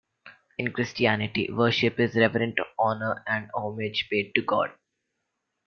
In Christianity, worship is reverent honor and homage paid to God.